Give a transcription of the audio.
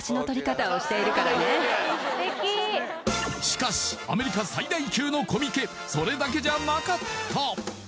しかしアメリカ最大級のコミケそれだけじゃなかった！